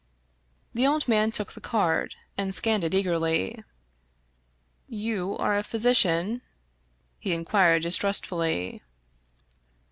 The old man took the card, and scanned it eagerly. " You are a physician ?" he inquired distrustfully.